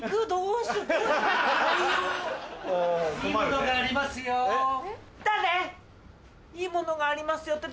・いいものがありますよ